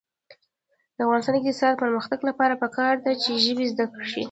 د افغانستان د اقتصادي پرمختګ لپاره پکار ده چې ژبې زده شي.